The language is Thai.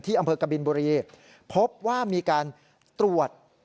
อำเภอกบินบุรีพบว่ามีการตรวจ